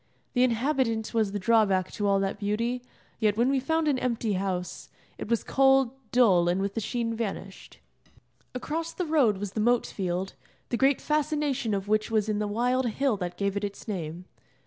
The inhabitant was the drawback to all that beauty, yet when we found an empty house, it was cold, dull, and with the sheen vanished. Across the road was the moat field, the great fascination of which was in the wild hill that gave it its name.